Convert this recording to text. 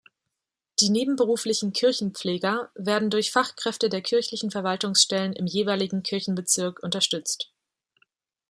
Die nebenberuflichen Kirchenpfleger werden durch Fachkräfte der kirchlichen Verwaltungsstellen im jeweiligen Kirchenbezirk unterstützt.